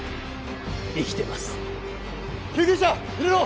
生きてます救急車入れろ！